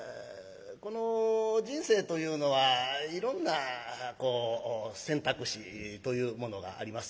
人生というのはいろんな選択肢というものがあります。